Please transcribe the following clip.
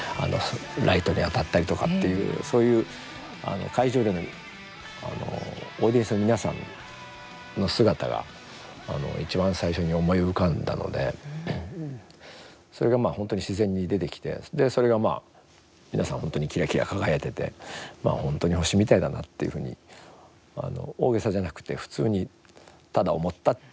ライトに当たったりとかというそういう会場でのオーディエンスの皆さんの姿が一番最初に思い浮かんだのでそれが本当に自然に出てきてそれが皆さん本当にキラキラ輝いていて本当に星みたいだなというふうに大げさじゃなくて普通にただ思った。